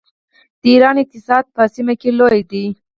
د ایران اقتصاد په سیمه کې لوی دی.